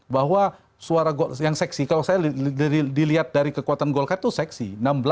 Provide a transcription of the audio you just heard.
bahwa suara yang seksi kalau saya dilihat dari kekuatan golkar itu seksi